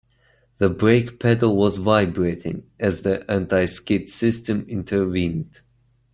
The brake pedal was vibrating as the anti-skid system intervened.